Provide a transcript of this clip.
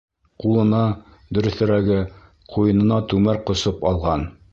Ҡулына, дөрөҫөрәге, ҡуйынына түмәр ҡосоп алған.